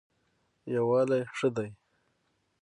یووالی ښه دی.